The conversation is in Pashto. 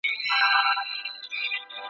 تر اسمانه وزرونه د ختلو `